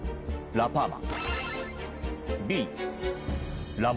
ラパーマ。